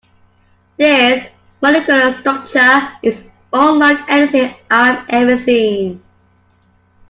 This molecular structure is unlike anything I've ever seen.